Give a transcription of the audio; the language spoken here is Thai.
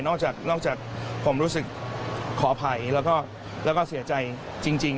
นอกจากผมรู้สึกขออภัยแล้วก็เสียใจจริง